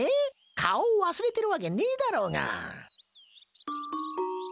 顔を忘れてるわけねえだろうが。